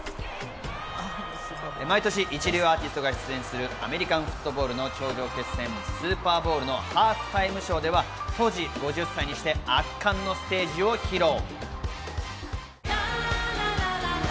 毎年、一流アーティストが出演するアメリカンフットボールの頂上決戦スーパーボウルのハーフタイムショーでは、当時５０歳にして圧巻のステージを披露。